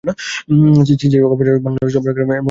CGS অপরাজেয় বাংলা লম্বা, চওড়া এবং উঁচু।